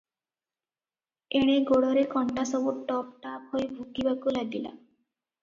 ଏଣେ ଗୋଡ଼ରେ କଣ୍ଟା ସବୁ ଟପ୍ ଟାପ୍ ହୋଇ ଭୁକିବାକୁ ଲାଗିଲା ।